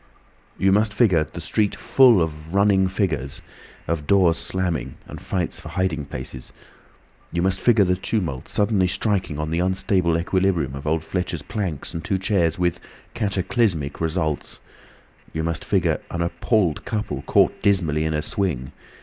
You must figure the street full of running figures, of doors slamming and fights for hiding places. You must figure the tumult suddenly striking on the unstable equilibrium of old Fletcher's planks and two chairs—with cataclysmic results. You must figure an appalled couple caught dismally in a swing.